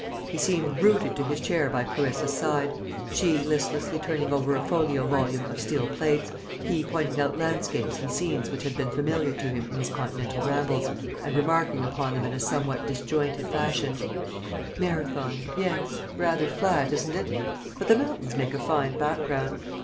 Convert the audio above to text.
He seemed rooted to his chair by Clarissa's side she listlessly turning over a folio volume of steel plates, he pointing out landscapes and scenes which had been familiar to him in his continental rambles, and remarking upon them in a somewhat disjointed fashion "Marathon, yes rather flat, isn't it? But the mountains make a fine background.